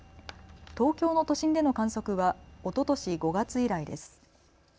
東京の都心での観測はおととし５月以来です。